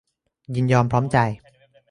ยินยอมพร้อมใจ